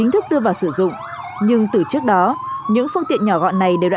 tức là có những cái chỗ tháp hiểm